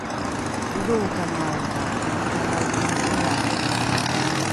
odholrokamao ka ’initalavoo’olrai